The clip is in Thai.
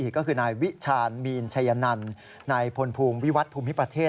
ก็คือนายวิชาณมีนชัยนันนายพลภูมิวิวัฒนภูมิประเทศ